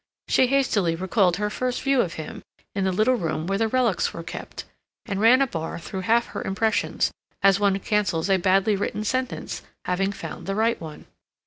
She hastily recalled her first view of him, in the little room where the relics were kept, and ran a bar through half her impressions, as one cancels a badly written sentence, having found the right one.